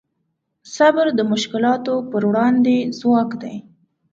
صبر د مشکلاتو په وړاندې ځواک دی.